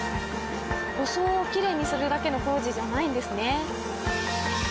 装をきれいにするだけの工事じゃないんですね。